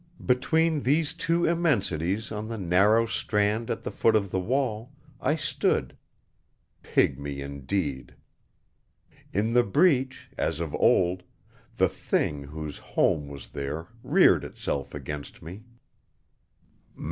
Between these two immensities on the narrow strand at the foot of the wall, I stood, pygmy indeed. In the Breach, as of old, the Thing whose home was there reared Itself against me.